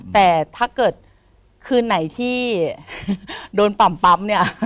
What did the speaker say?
แต่ถ้าเกิดคืนไหนที่โดนปั่ม